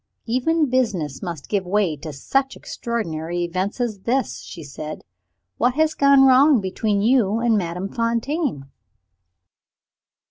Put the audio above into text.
"Even business must give way to such an extraordinary event as this," she said. "What has gone wrong between you and Madame Fontaine?"